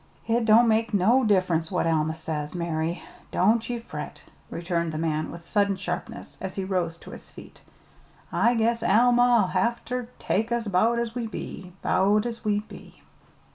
"It don't make no diff'rence what Alma says, Mary. Don't ye fret," returned the man with sudden sharpness, as he rose to his feet. "I guess Alma'll have ter take us 'bout as we be 'bout as we be."